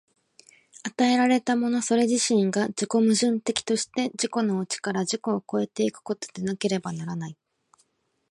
与えられたものそれ自身が自己矛盾的として、自己の内から自己を越え行くことでなければならない。